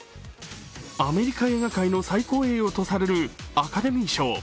アメリカ映画界最高栄誉とされるアカデミー賞。